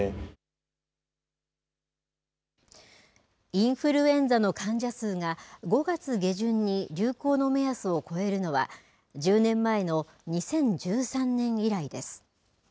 インフルエンザの患者数が５月下旬に流行の目安を超えるのは１０年前の２０１３年以来です。